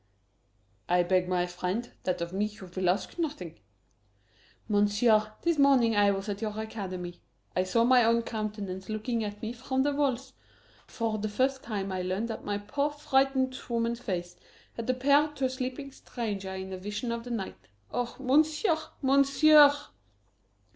"I beg, my friend, that of me you will ask nothing." "Monsieur, this morning I was at your Academy. I saw my own countenance looking at me from the walls. For the first time I learned that my poor, frightened woman's face had appeared to a sleeping stranger in a Vision of the Night. Oh, Monsieur, Monsieur!"